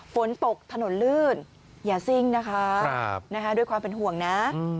ฝนตกถนนลื่นอย่าซิ่งนะคะด้วยความเป็นห่วงนะ